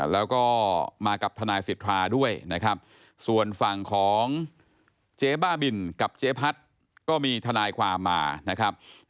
แล้วก็มากับทนายสิทธาด้วยนะครับส่วนฝั่งของเจ๊บ้าบินกับเจ๊พัดก็มีทนายความมานะครับ